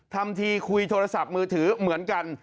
ทำทีคุยโทรศัพท์มือถือเหมือนกัน